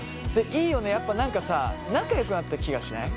いいよねやっぱ何かさ仲よくなった気がしない？